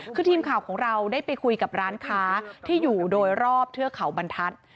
คือทีมข่าวของเราได้ไปคุยกับร้านค้าที่อยู่โดยรอบเทือกเขาบรรทัศน์